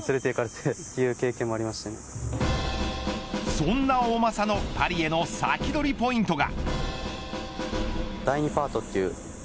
そんな大政のパリへのサキドリポイントが。